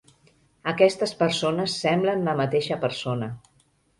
Aquestes persones semblen la mateixa persona.